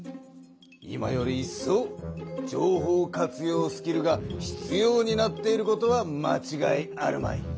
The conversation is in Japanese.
今よりいっそう情報活用スキルがひつようになっていることはまちがいあるまい。